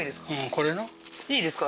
これないいですか？